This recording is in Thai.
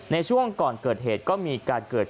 ในช่วงก่อนเกิดเหตุก็มีการเกิด